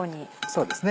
そうですね。